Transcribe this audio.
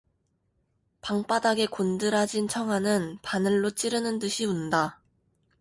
방바닥에 곤드라진 청아는 바늘로 찌르는 듯이 운다.